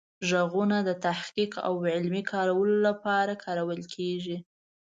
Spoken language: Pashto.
غږونه د تحقیق او علمي کارونو لپاره کارول کیږي.